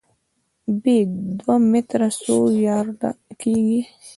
ب: دوه متره څو یارډه کېږي؟